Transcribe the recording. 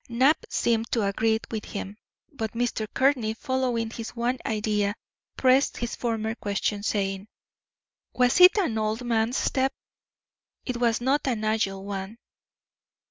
Knapp seemed to agree with him, but Mr. Courtney, following his one idea, pressed his former question, saying: "Was it an old man's step?" "It was not an agile one."